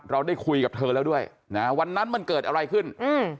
เราได้คุยกับเธอแล้วด้วยนะวันนั้นมันเกิดอะไรขึ้นอืม